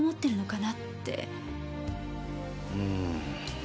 うん。